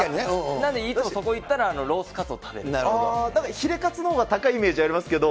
なんで、いつもそこ行ったら、ヒレカツのほうが高いイメーそうなんですよ、